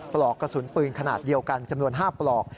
ปลอกกระสุนปืนขนาดเดียวกันจำนวน๕ปลอก